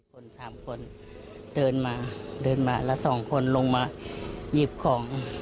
คนสามคนเดินมาเดินมาแล้วสองคนลงมาหยิบของ